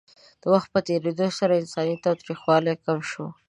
د وخت په تېرېدو انساني تاوتریخوالی کم شو.